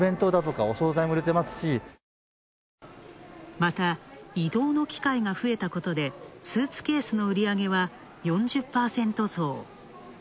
また、移動の機会が増えたことで、スーツケースの売り上げは４０％増。